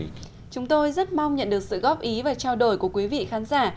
chúng tôi rất mong nhận được sự góp ý và trao đổi của quý vị khán giả